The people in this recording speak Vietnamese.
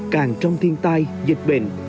càng trong thiên tai dịch bệnh